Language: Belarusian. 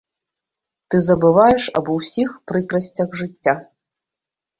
Ты забываеш аб усіх прыкрасцях жыцця.